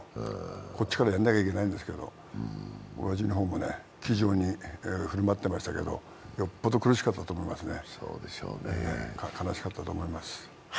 こっちから言わないといけなかったけど親父の方も気丈に振る舞っていましたけどよっぽど苦しかったと思いますね。